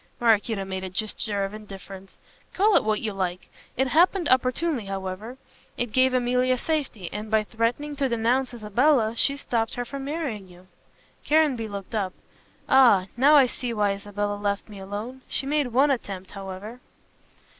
Maraquito made a gesture of indifference. "Call it what you like. It happened opportunely however. It gave Emilia safety, and by threatening to denounce Isabella, she stopped her from marrying you." Caranby looked up. "Ah! Now I see why Isabella left me alone. She made one attempt, however."